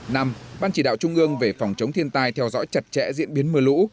năm ban chỉ đạo trung ương về phòng chống thiên tai theo dõi chặt chẽ diễn biến mưa lũ